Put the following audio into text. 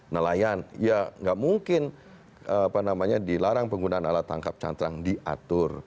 nelayan ya nggak mungkin apa namanya dilarang penggunaan alat tangkap cantrang diatur